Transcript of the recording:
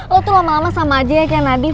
lo tuh lama lama sama aja ya kayak nadif